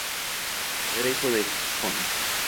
Era hijo del Hon.